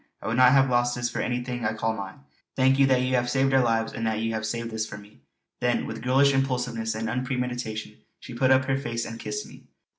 I would not have lost this for anything I call mine. Thank you that you have saved our lives; and that you have saved this for me." Then with girlish impulsiveness and unpremeditation she put up her face and kissed me.